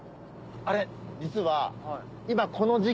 あれ実は。